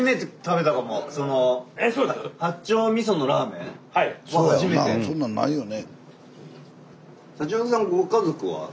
そんなんないよね。